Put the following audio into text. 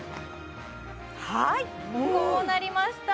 はいこうなりました